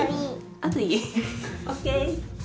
あといい？ＯＫ。